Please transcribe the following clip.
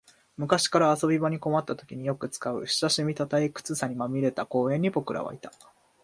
昔から遊び場に困ったときによく使う、親しみと退屈さにまみれた公園に僕らはいた